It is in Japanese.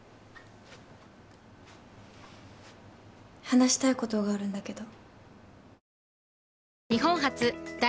話したいことがあるんだけど。